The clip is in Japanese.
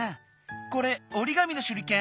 これおりがみのしゅりけん？